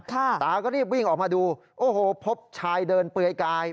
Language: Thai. ตาก็รีบวิ่งออกมาดูโอ้โหพบชายเดินเปลือยกาย